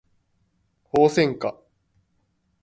ホウセンカ